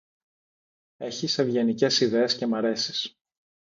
Έχεις ευγενικές ιδέες και μ' αρέσεις.